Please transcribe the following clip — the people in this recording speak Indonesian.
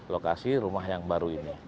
lokasi rumah yang baru ini